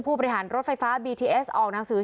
บริหารรถไฟฟ้าบีทีเอสออกหนังสือ